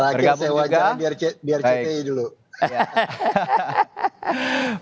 terakhir saya wajar biar cti dulu